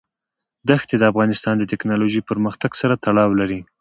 دښتې د افغانستان د تکنالوژۍ پرمختګ سره تړاو لري.